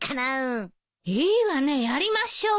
いいわねやりましょう！